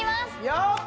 よっ！